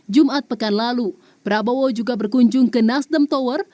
jumat pekan lalu prabowo juga berkunjung ke nasdem tower